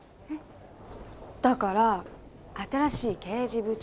だから新しい刑事部長。